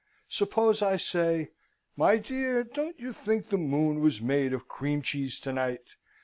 Suppose I say, "My dear, don't you think the moon was made of cream cheese to night?"